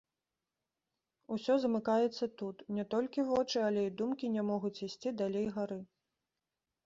Усё замыкаецца тут, не толькі вочы, але і думкі не могуць ісці далей гары.